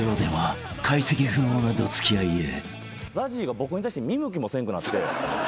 ＺＡＺＹが僕に対して見向きもせんくなって。